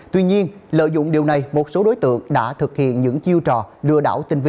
tuy nhiên lợi dụng điều này một số đối tượng đã thực hiện những chiêu trò lừa đảo tinh vi